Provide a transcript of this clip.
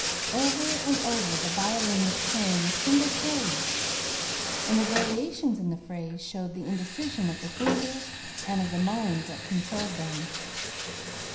Over and over the violin was playing a single phrase and the variations in the phrase showed the indecision of the fingers and of the mind that controlled them.